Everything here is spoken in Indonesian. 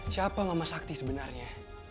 siapa mama sakti sebenarnya